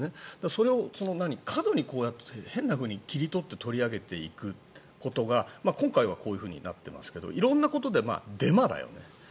それを過度に変なふうに切り取って取り上げていくことが今回はこうなっていますが色んなことでデマだよね。